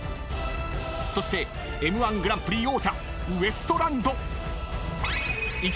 ［そしてＭ−１グランプリ王者ウエストランド］